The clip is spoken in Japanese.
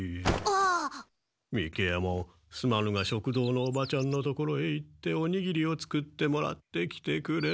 三木ヱ門すまぬが食堂のおばちゃんのところへ行っておにぎりを作ってもらってきてくれ。